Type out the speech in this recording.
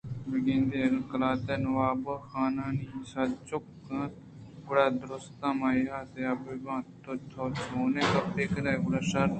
بہ گندے اگاں قلات ءِ نواب ءُخانانی سد چُک اَنت گڑا دُرٛست من ءَ یات بہ بنت ؟ تو چونیں گپ کنئے ؟ گڑا شر